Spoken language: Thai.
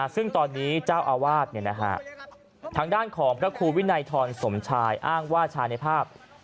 ซึ่งตอนนี้เจ้าอาวาสทางด้านของพระครูวินัยทรสมชายอ้างว่าชายในภาพ